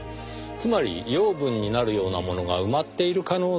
つまり養分になるようなものが埋まっている可能性があると。